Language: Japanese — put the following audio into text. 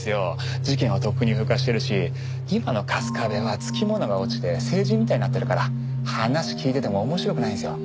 事件はとっくに風化してるし今の春日部はつきものが落ちて聖人みたいになってるから話聞いてても面白くないんですよ。